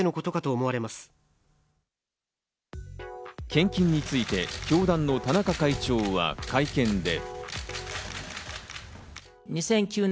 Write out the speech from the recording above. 献金について教団の田中会長は会見で。